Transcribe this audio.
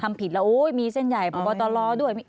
ทำผิดแล้วโอ้ยมีเส้นใหญ่บอกว่าต้อนรอด้วย